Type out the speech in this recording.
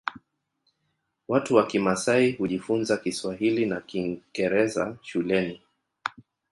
Watu wa kimasai hujifunza kiswahili na kingeraza shuleni